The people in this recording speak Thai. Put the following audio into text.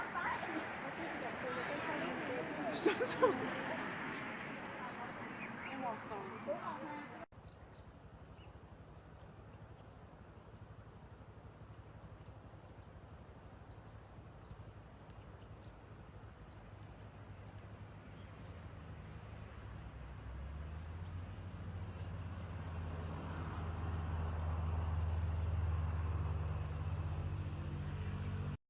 สวัสดีครับสวัสดีครับ